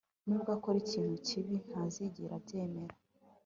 nubwo akora ikintu kibi, ntazigera abyemera